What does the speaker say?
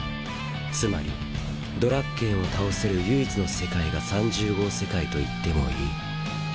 つまりドラッケンを倒せる唯一の世界が３０号世界と言ってもいい。